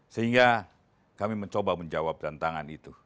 sehingga kami mencoba menjawab tantangan itu